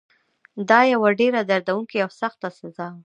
دا یوه ډېره دردونکې او سخته سزا وه.